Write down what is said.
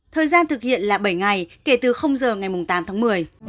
thời gian thực hiện là bảy ngày kể từ giờ ngày tám tháng một mươi